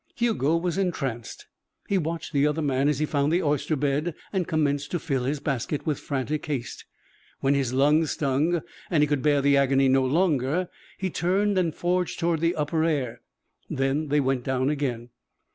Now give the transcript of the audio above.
Hugo was entranced. He watched the other man as he found the oyster bed and commenced to fill his basket with frantic haste. When his lungs stung and he could bear the agony no longer, he turned and forged toward the upper air. Then they went down again.